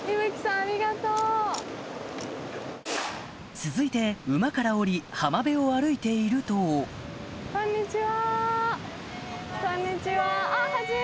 続いて馬から下り浜辺を歩いているとこんにちは。